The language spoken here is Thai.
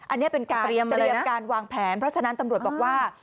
อันนี้เป็นการเตรียมการวางแผนเพราะฉะนั้นตำรวจบอกว่า